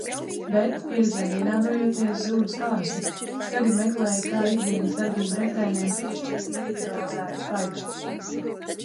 Bet, pieredzēm vienādojoties, zūd stāsti. Tagad meklēju, kā ikdienas darbību refrēniem piešķirt individualizētus vaibstus.